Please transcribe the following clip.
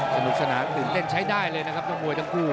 สนุกสนานตื่นเต้นใช้ได้เลยนะครับน้องมวยทั้งคู่